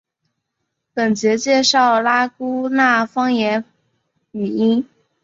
本节介绍拉祜纳方言语音。